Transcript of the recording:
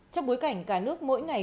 trong bối cảnh cả nước mỗi ngày